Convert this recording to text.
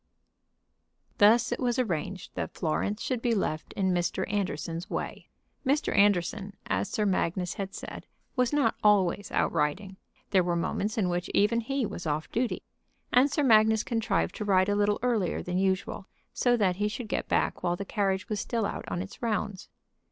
Thus it was arranged that Florence should be left in Mr. Anderson's way. Mr. Anderson, as Sir Magnus had said, was not always out riding. There were moments in which even he was off duty. And Sir Magnus contrived to ride a little earlier than usual so that he should get back while the carriage was still out on its rounds.